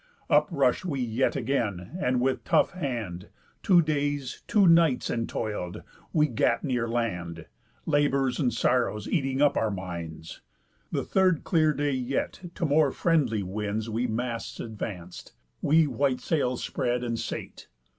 Up rush'd we yet again, and with tough hand (Two days, two nights, entoil'd) we gat near land, Labours and sorrows eating up our minds. The third clear day yet, to more friendly winds We masts advanc'd, we white sails spread, and sate.